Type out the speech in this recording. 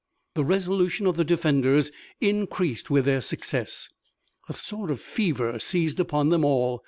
The resolution of the defenders increased with their success. A sort of fever seized upon them all.